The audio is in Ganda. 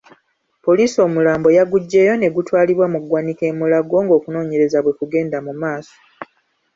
Poliisi omulambo yaguggyeyo ne gutwalibwa mu ggwanika e Mulago ng'okunoonyereza bwe kugenda mu maaso.